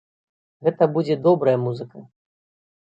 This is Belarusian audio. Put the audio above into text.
Гэта будзе добрая музыка!